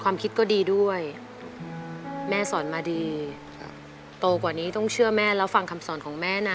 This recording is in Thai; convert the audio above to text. ความคิดก็ดีด้วยแม่สอนมาดีโตกว่านี้ต้องเชื่อแม่แล้วฟังคำสอนของแม่นะ